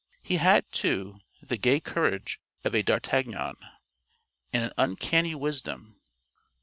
He had, too, the gay courage of a d'Artagnan, and an uncanny wisdom.